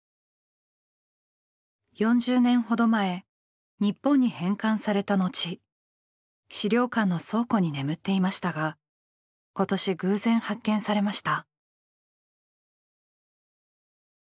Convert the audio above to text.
４０年ほど前日本に返還された後資料館の倉庫に眠っていましたが今年偶然発見されました。